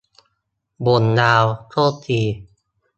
บ่นยาว โทษที